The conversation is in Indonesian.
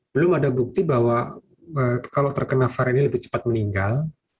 belum ada bukti bahwa kalau terkena varian ini lebih cepat meninggal